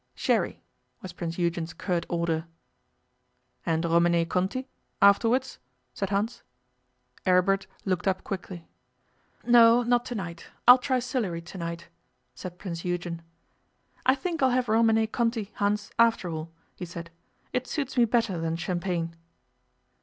'Sherry,' was Prince Eugen's curt order. 'And Romanée Conti afterwards?' said Hans. Aribert looked up quickly. 'No, not to night. I'll try Sillery to night,' said Prince Eugen. 'I think I'll have Romanée Conti, Hans, after all,' he said. 'It suits me better than champagne.